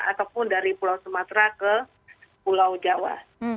ataupun dari pulau sumatera ke pulau jawa